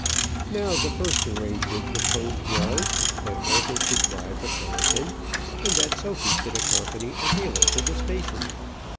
Now the first arrangement proposed was, that Arthur should drive the phaëton, and that Sophy should accompany Adela to the station.